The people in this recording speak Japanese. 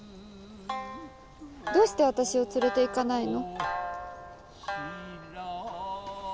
どうして私を連れていかないの？